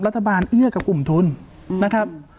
รัฐบาลเอื้อกับกลุ่มทุนนะครับ